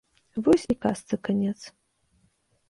Вось і казцы канец.